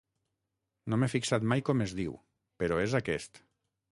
No m'he fixat mai com es diu, però és aquest.